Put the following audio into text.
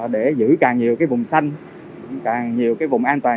để giữ càng nhiều vùng xanh càng nhiều vùng an toàn